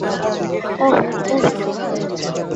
ওহ, উহ।